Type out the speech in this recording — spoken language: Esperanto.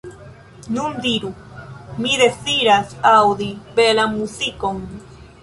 Nun diru: mi deziras aŭdi belan muzikon.